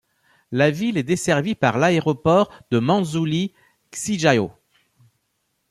La ville est desservie par l'Aéroport de Manzhouli Xijiao.